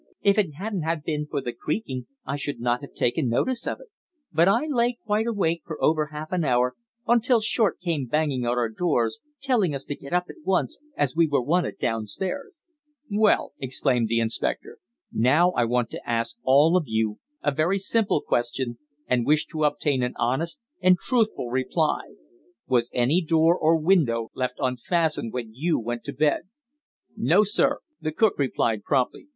If it hadn't ha' been for the creaking I should not have taken notice of it. But I lay quite wide awake for over half an hour until Short came banging at our doors, telling us to get up at once, as we were wanted downstairs." "Well," exclaimed the inspector, "now, I want to ask all of you a very simple question, and wish to obtain an honest and truthful reply. Was any door or window left unfastened when you went to bed?" "No, sir," the cook replied promptly.